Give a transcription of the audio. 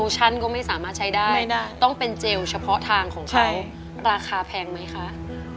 ฉันก็ไม่สามารถใช้ได้ต้องเป็นเจลเฉพาะทางของเขาราคาแพงไหมคะ